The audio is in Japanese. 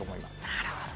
なるほど。